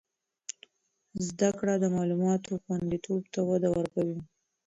زده کړه د معلوماتو خوندیتوب ته وده ورکوي.